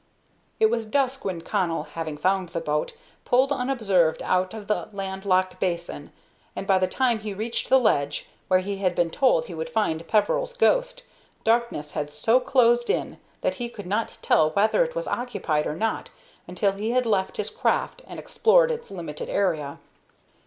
It was dusk when Connell, having found the boat, pulled unobserved out of the land locked basin, and by the time he reached the ledge, where he had been told he would find Peveril's ghost, darkness had so closed in that he could not tell whether it was occupied or not until he had left his craft and explored its limited area.